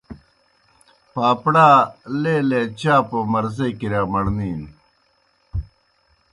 پاپڑا لھیلہ چھاپوْ مرضے کِرِیا مڑنِینوْ۔